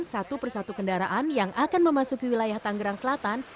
satu persatu kendaraan yang akan memasuki wilayah tanggerang selatan